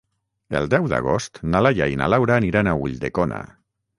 El deu d'agost na Laia i na Laura aniran a Ulldecona.